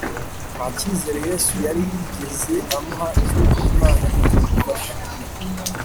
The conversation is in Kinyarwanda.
Nta cyizere Yesu yari yigeze amuha cy’uko Imana iri bumufashe